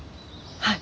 はい。